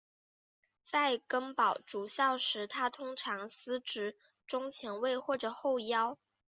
在根宝足校时他通常司职中前卫或者后腰。